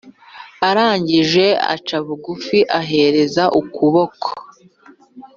arangije aca bugufi ahereza ukuboko